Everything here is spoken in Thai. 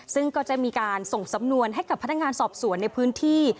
ซึ่งก็จะมีการส่งสำนวนให้กับพนักงานสอบสวนในพื้นที่